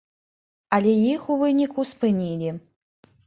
Але іх у выніку спынілі.